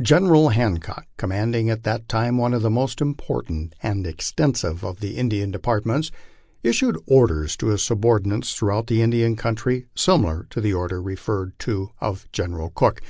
Genera] Hancock, commanding at that time one of the most important and extensive of the Indian departments, issued orders to his subordinates throughout the Indian country, similar to the order referred to of General Cooke.